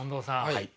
はい。